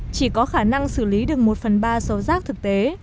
chỉ có khả năng xử lý được một phần ba số rác thực tế